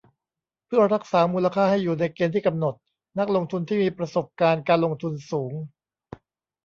เพื่อรักษามูลค่าให้อยู่ในเกณฑ์ที่กำหนด นักลงทุนที่มีประสบการณ์การลงทุนสูง